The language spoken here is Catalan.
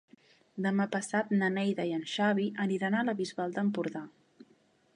Demà passat na Neida i en Xavi aniran a la Bisbal d'Empordà.